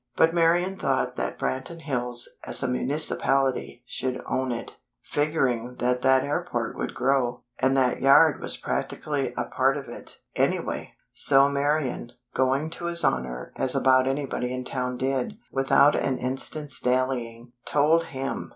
But Marian thought that Branton Hills, as a municipality, should own it; figuring that that airport would grow, and that yard was practically a part of it, anyway. So Marian, going to His Honor, as about anybody in town did, without an instant's dallying, "told him